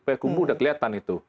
payakumbu sudah kelihatan itu